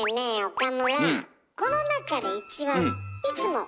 岡村。